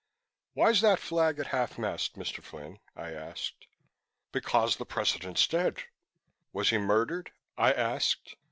"Why's that flag at half mast, Mr. Flynn," I asked. "Because the President's dead." "Was he murdered?" I asked.